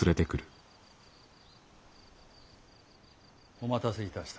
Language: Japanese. お待たせいたした。